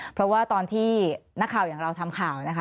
เพราะว่าตอนที่นักข่าวอย่างเราทำข่าวนะคะ